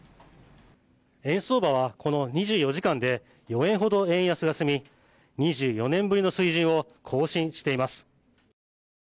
円相場はこの２４時間で４円ほど円安が進み２４年ぶりの水準を更新しています。